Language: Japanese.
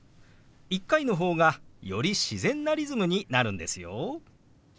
１回の方がより自然なリズムになるんですよ。